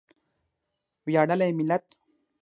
ویاړلی ملت.